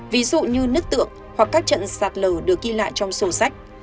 ví dụ như nứt tượng hoặc các trận sạt lở được ghi lại trong sổ sách